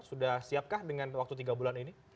sudah siapkah dengan waktu tiga bulan ini